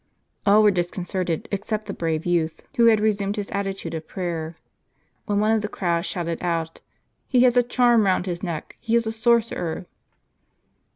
All were disconcerted except the brave youth, who had resumed his attitude of prayer ; when one of the crowd shouted out : "He has a charm round his neck ; he is a sor cerer!"